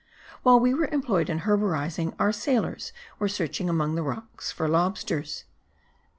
While we were employed in herborizing,* our sailors were searching among the rocks for lobsters.